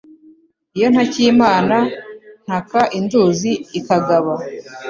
Iyo ntakiye Imana ntaka induzi ikagaba